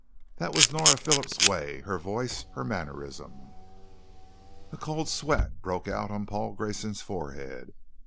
That was Nora Phillips' way, her voice, her mannerism. A cold sweat broke out on Paul Grayson's forehead.